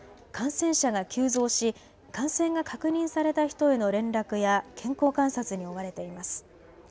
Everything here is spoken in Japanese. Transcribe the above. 感染者が急増し感染が確認された人への連絡や健康観察に追われています。